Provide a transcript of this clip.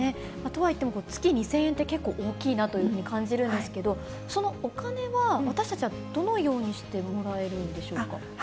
とはいっても、月２０００円って、結構大きいなっていうふうに感じるんですけど、そのお金は、私たちはどのようにしてもらえるんでしょうか。